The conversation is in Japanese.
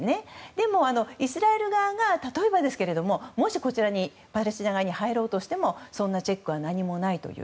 でも、イスラエル側が例えばもし、パレスチナ側に入ろうとしてもそんなチェックは何もないという。